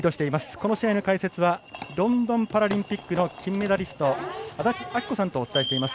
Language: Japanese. この試合の解説はロンドンパラリンピックの金メダリスト安達阿記子さんとお伝えしています。